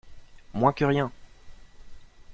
Moins que rien!